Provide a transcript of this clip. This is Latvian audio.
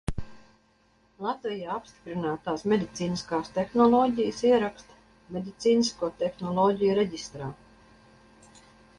Latvijā apstiprinātās medicīniskās tehnoloģijas ieraksta Medicīnisko tehnoloģiju reģistrā.